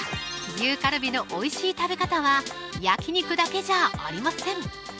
牛カルビの美味しい食べ方は焼肉だけじゃありません